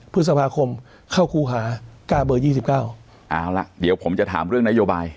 พฤษภาคมเข้าครูหากาเบอร์ยี่สิบเก้าเอาล่ะเดี๋ยวผมจะถามเรื่องนโยบาย